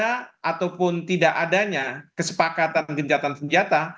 ataupun tidak adanya kesepakatan gencatan senjata